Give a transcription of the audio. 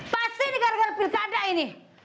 pasti ini gara gara pilkada ini